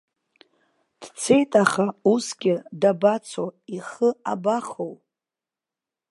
Дцеит, аха усгьы дабацо, ихы абахоу?